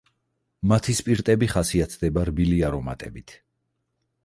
მათი სპირტები ხასიათდება რბილი არომატებით.